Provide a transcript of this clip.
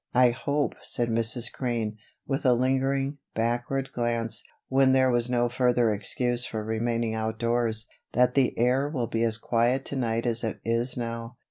"I hope," said Mrs. Crane, with a lingering, backward glance, when there was no further excuse for remaining outdoors, "that the air will be as quiet to night as it is now.